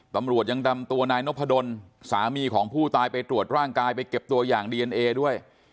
ตำรวจยังนำตัวนายนพดลสามีของผู้ตายไปตรวจร่างกายไปเก็บตัวอย่างดีเอนเอด้วย